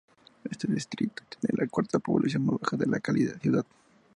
Este distrito tiene la cuarta población más baja de la ciudad.